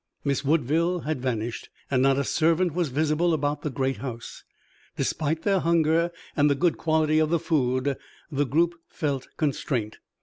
Miss Woodville had vanished, and not a servant was visible about the great house. Despite their hunger and the good quality of the food the group felt constraint.